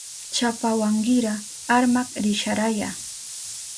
Chapawankira armak risharaya.